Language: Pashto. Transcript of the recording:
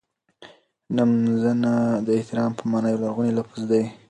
نمځنه د احترام په مانا یو لرغونی لفظ دی.